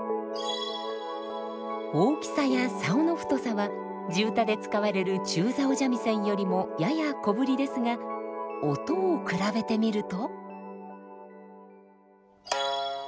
大きさや棹の太さは地唄で使われる中棹三味線よりもやや小ぶりですが音を比べてみると。